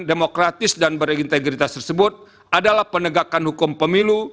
demokratis dan berintegritas tersebut adalah penegakan hukum pemilu